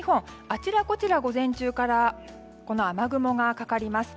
あちらこちら、午前中から雨雲がかかります。